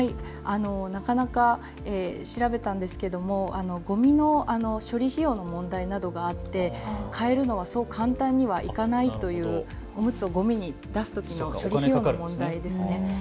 なかなか、調べたのですがごみの処理費用の問題などがあって変えるのはそう簡単にはいかないという、おむつをごみに出すという費用の問題ですね。